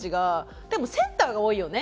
でもセンターが多いよね結構。